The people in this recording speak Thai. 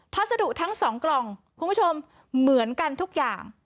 พัสดุทั้งสองกล่องคุณผู้ชมเหมือนกันทุกอย่าง